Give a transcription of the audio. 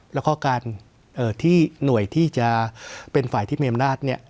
แล้วก็การเอ่อที่หน่วยที่จะเป็นฝ่ายที่เมียมนาฏเนี้ย